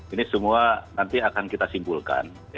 ini semua nanti akan kita simpulkan